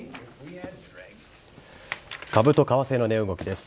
株と為替の値動きです。